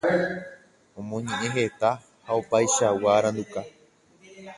Omoñeʼẽ heta ha opaichagua aranduka.